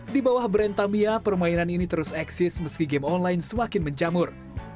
di bawah brand tamia permainan ini terus eksis meski game online semakin menjamur